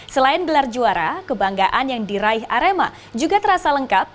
selain gelar juara kebanggaan yang diraih arema juga terasa lengkap